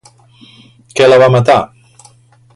Què la va matar?